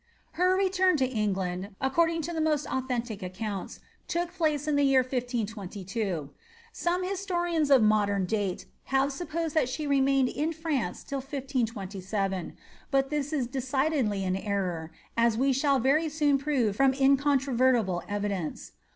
Her return to England, according to the most authentic accounts, took place in the year 1522. Some histo riuis of modem date have supposed that she remained in France till 1537, but this is decidedly an error, as we shall very soon prove from incontrovertible evidence.'